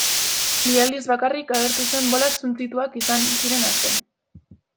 Bi aldiz bakarrik agertu zen bolak suntsituak izan ziren arte.